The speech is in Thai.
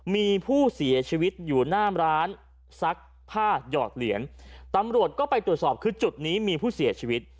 มีผู้เสียชีวิตอยู่หน้าร้านซักผ้าหยอดเหรียญตำรวจก็ไปตรวจสอบคือจุดนี้มีผู้เสียชีวิต